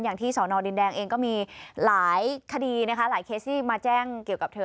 อย่างที่สอนอดินแดงเองก็มีหลายคดีนะคะหลายเคสที่มาแจ้งเกี่ยวกับเธอ